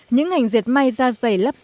những ngành diệt may ra giày lắp sát